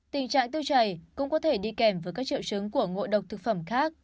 tình trạng tiêu chảy cũng có thể đi kèm với các triệu chứng của ngộ độc thực phẩm khác